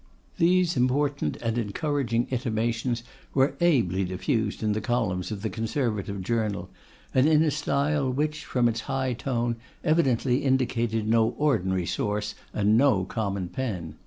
These important and encouraging intimations were ably diffused in the columns of the Conservative journal, and in a style which, from its high tone, evidently indicated no ordinary source and no common pen.